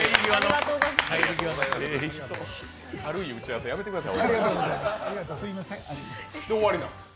軽い打ち合わせやめてください。